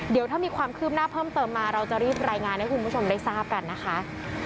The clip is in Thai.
เดี๋ยวถ้ามีความคืบหน้าเพิ่มเติมมาเราจะรีบรายงานให้คุณผู้ชมได้ทราบกันนะคะ